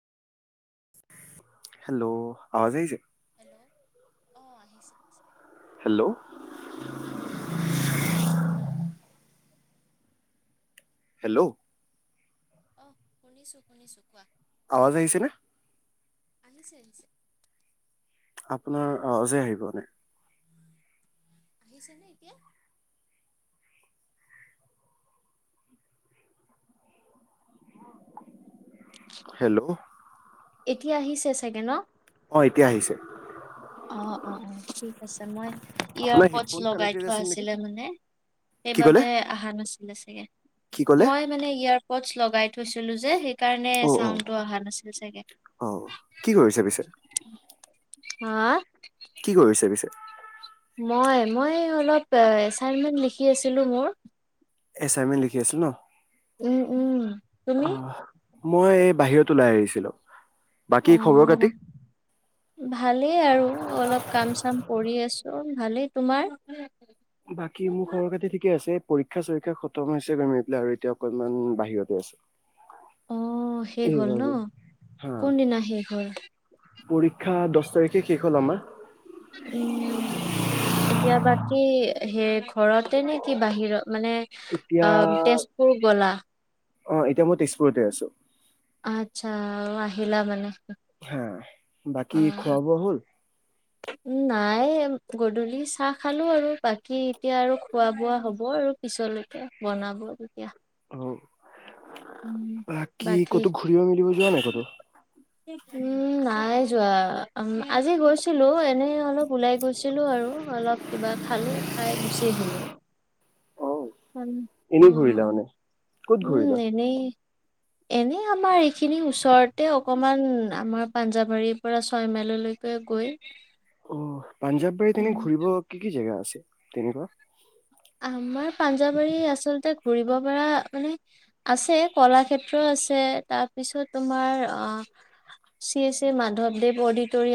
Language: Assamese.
হেল্ল', আৱাজ আহিছে? হেল্ল', অ আহিছে। হেল্ল'। হেল্ল' অঁ হেল্ল'। অঁ শুনিছো-শুনিছো, কোৱা। আৱাজ আহিছে নে? আহিছে-আহিছে। আপোনাৰ আৱাজে আহি পোৱা নাই। আহিছেনে এতিয়া? হেল্ল'। এতিয়া আহিছে চাগে ন? অঁ এতিয়া আহিছে। অ অ অ ঠিক আছে, মই আপোনাৰ ইয়াৰপড্ছ হেডফোন লগাই কানেক্টেড থোৱা আছিল নেকি? আছিলে মানে কি ক'লে? সেইবাবে আহা নাছি [unintelligible] কি ক'লে? মই মানে ইয়াৰ পড্চ লগাই থৈছিলো যে সেইকাৰণে অ' অ' চাউণ্ডটো অহা নাছিল চাগে। অ' কি কৰিছে পিছে? হা? কি কৰিছে পিছে। মই মই অলপ এচাইনমেণ্ট লিখি আছিলোঁ। মোৰ এচাইমেন্ত লিখি আছা ন? উম উম তুমি। অহ মই এই বাহিৰত ওলাই আহিছিলো। অ বাকী খবৰ কাটি? ভালেই আৰু অলপ কাম চাম কৰি আছোঁ। ভালেই তোমাৰ? বাকী মোৰ ঘৰৰ খেতি ঠিকে আছে। পৰীক্ষা চৰীক্ষা খতম হৈছে গমি [unintelligible] পেলাই আৰু এতিয়া অকনমান বাহিৰতে আছে অহ শেষ হ'ল ন হা কোন দিনা শেষ হ'ল? পৰীক্ষা দহ তাৰিখে শেষ হ'ল আমাৰ। উম এতিয়া বাকী। সেই ঘৰতে নে কি বাহিৰত? মানে অ এতিয়া তেজপুৰ গলা। অ এতিয়া মই তেজপুৰতে আছো আচ্ছা আহ আহিলা মানে। হা বাকী অ', খোৱা বোৱা হল। নাই গধূলি চাহ খালো আৰু বাকী এতিয়া আৰু খোৱা বোৱা হব আৰু পিছলৈকে বনাব তেতিয়া হয়। উম, ব কি বাকী কতো ঘূৰিব মেলিব যোৱা নাই কতো উম নাই যোৱা আজি গৈছিলো এনে অলপ ওলাই গৈছিলো আৰু অলপ কিবা খালো খাই গুচি আহিলোঁ। অ উ অ। এনেই ঘূৰিলা মানে ক'ত উম ঘূৰিলা এনেই। এনে আমাৰ এইখিনি ওচৰতে অকমান আমাৰ পাঞ্জাবাৰীৰ পৰা ছয় মাইললৈকে গৈ অ পাঞ্জাববাৰী তেনে উম, ঘূৰিব কি কি জেগা আছে। তেনেকুৱা। আমাৰ পাঞ্জাৱাৰী আচলতে ফুৰিব পৰা আছে কলাক্ষেত্ৰ আছে তাৰপিছত তোমাৰ শ্ৰী শ্ৰী মাধৱদেৱ অডিটৰিয়াম